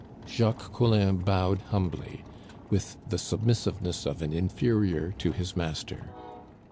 Jacques Collin bowed humbly, with the submissiveness of an inferior to his master.